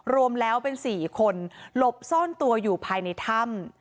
รวมแล้วเป็น๔คนหลบซ่อนตัวอยู่ภายในถ้ำ